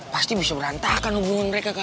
pasti bisa berantakan hubungan mereka